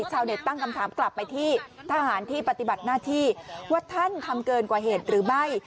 ชาวเน็ตตั้งคำถามกลับไปที่ทหารที่ปฏิบัติหน้าที่ว่าท่านทำเกินกว่าเหตุหรือไม่